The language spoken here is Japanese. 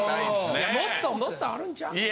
もっともっとあるんちゃうの？